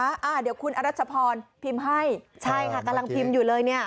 อ่าเดี๋ยวคุณอรัชพรพิมพ์ให้ใช่ค่ะกำลังพิมพ์อยู่เลยเนี่ย